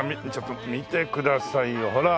見てくださいよほら。